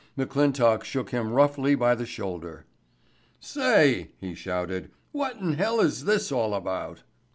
McClintock shook him roughly by the shoulder. "Say," he shouted. "What in hell is this all about?"